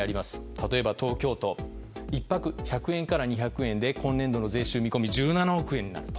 例えば東京都１泊１００円から２００円で今年度の税収見込みが１７億円だと。